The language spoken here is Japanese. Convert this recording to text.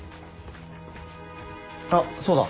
あっそうだ。